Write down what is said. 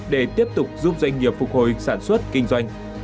để tiếp tục giúp doanh nghiệp phục hồi sản xuất kinh doanh